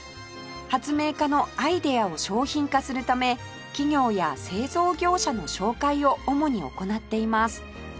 発明家のアイデアを商品化するため企業や製造業者の紹介を主に行っています